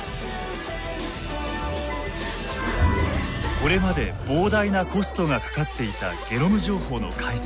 これまで膨大なコストがかかっていたゲノム情報の解析。